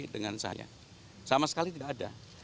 dengan saya sama sekali tidak ada